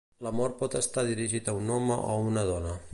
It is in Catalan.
L'amor pot estar dirigit a un home o a una dona.